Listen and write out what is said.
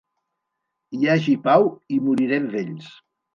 Hi hagi pau i morirem vells.